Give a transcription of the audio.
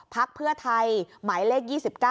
พักเพื่อไทยหมายเลข๒๙